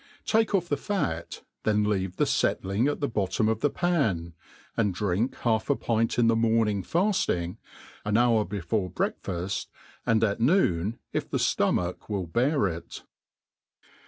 Take off the fat, then leave the fettling at the bottom of the pan, and drink half a pint in the morning failing, an hour before b^eakfaft, and at noon, if the ftomach will bear it.